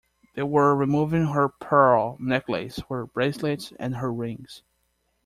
They were removing her pearl necklace, her bracelets, and her rings.